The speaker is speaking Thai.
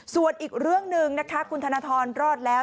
ส่วนอีกเรื่องหนึ่งนะคะคุณธนทรรอดแล้ว